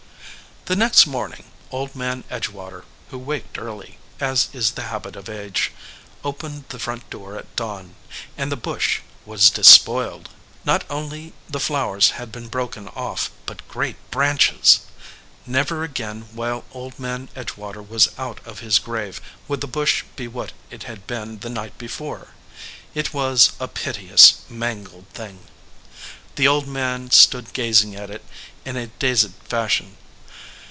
The next morning Old Man Edgewater, who waked early, as is the habit of age, opened the front door at dawn, and the bush was despoiled. Not only the flowers had been broken off, but great branches. Never again while Old Man Edgewater was out of his grave would the bush be what it had been the night before. It was a piteous, mangled thing. The old man stood gazing at it in a dazed fashion.